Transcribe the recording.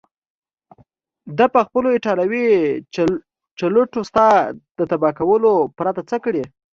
ده پخپلو ایټالوي چلوټو ستا د تباه کولو پرته څه کړي.